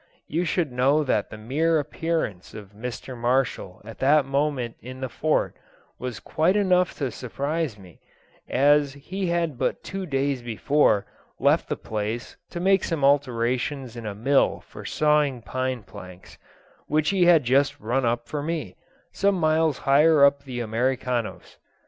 You should know that the mere appearance of Mr. Marshall at that moment in the Fort was quite enough to surprise me, as he had but two days before left the place to make some alterations in a mill for sawing pine planks, which he had just run up for me, some miles higher up the Americanos.